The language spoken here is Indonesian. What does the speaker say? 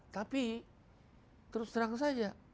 tapi terus terang saja